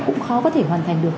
cũng khó có thể hoàn thành được